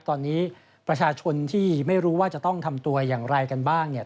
ตอนนี้ประชาชนที่ไม่รู้ว่าจะต้องทำตัวอย่างไรกันบ้างเนี่ย